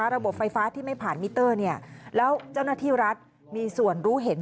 ระบบไฟฟ้าที่ไม่ผ่านมิเตอร์แล้วเจ้าหน้าที่รัฐมีส่วนรู้เห็น